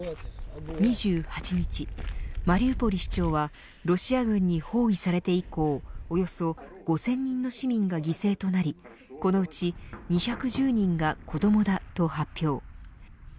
２８日マリウポリ市長はロシア軍に包囲されて以降およそ５０００人の市民が犠牲となりこのうち２１０人が子どもだと発表。